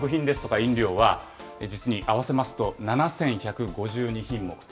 飲料は、実に合わせますと７１５２品目と。